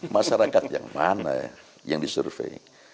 masyarakat yang mana yang disurvey